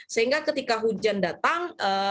sehingga ketika hujan datang